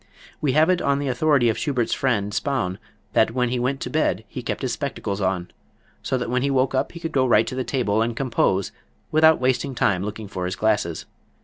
We have it on the authority of Schubert's friend, Spaun, that when he went to bed he kept his spectacles on, so that when he woke up he could go right to the table and compose without wasting time looking for his glasses.